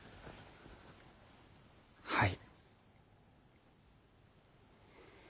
はい。